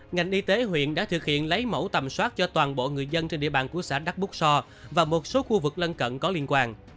ngành y tế huyện đã thực hiện lấy mẫu tầm soát cho toàn bộ người dân trên địa bàn của xã đắc bút so và một số khu vực lân cận có liên quan